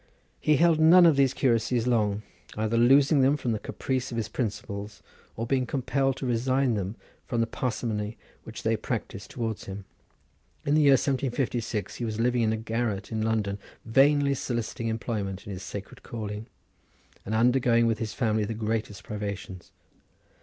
He held none of his curacies long, either losing them from the caprice of his principals, or being compelled to resign them from the parsimony which they practised towards him. In the year 1756 he was living in a garret in London vainly soliciting employment in his sacred calling, and undergoing with his family the greatest privations.